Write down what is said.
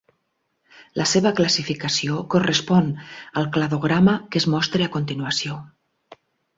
La seva classificació correspon al cladograma que es mostra a continuació.